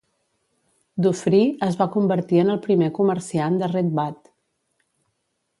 Dufree es va convertir en el primer comerciant de Red Bud.